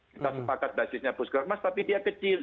kita sepakat basisnya puskesmas tapi dia kecil